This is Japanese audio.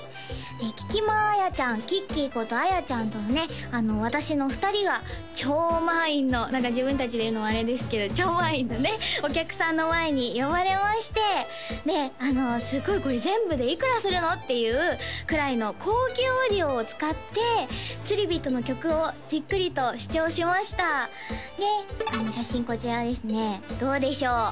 聞間彩ちゃんきっきーこと彩ちゃんとね私の２人が超満員の何か自分達が言うのもあれですけど超満員のねお客さんの前に呼ばれましてすごいこれ全部でいくらするの？っていうくらいの高級オーディオを使ってつりビットの曲をじっくりと試聴しましたで写真こちらですねどうでしょう？